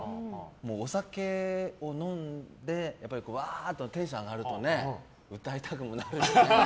お酒を飲んでわーっとテンション上がると歌いたくもなるしね。